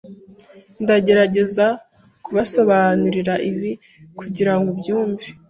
Ndagerageza kubasobanurira ibi kugirango ubyumve.